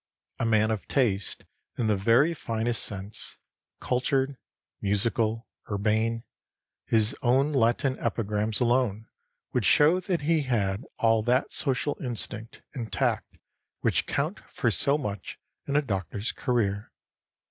A man of taste, in the very finest sense, cultured, musical, urbane, his own Latin epigrams alone would show that he had all that social instinct and tact which count for so much in a doctor's career.